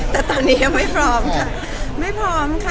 แต่ตอนนี้ยังไม่พร้อมค่ะ